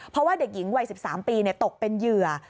เพราะว่าเด็กหญิงวัย๑๓ปีตกเป็นเหยื่อ